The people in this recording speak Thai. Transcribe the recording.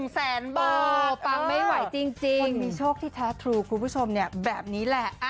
แสนบ่อปังไม่ไหวจริงคนมีโชคที่แท้ทรูคุณผู้ชมเนี่ยแบบนี้แหละ